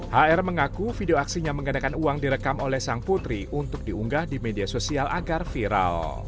hr mengaku video aksinya menggandakan uang direkam oleh sang putri untuk diunggah di media sosial agar viral